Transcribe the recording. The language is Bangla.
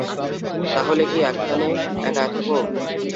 তাহলে কি এখানে একা থাকো?